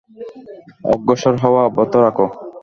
অগ্রসর হওয়া অব্যাহত রাখো।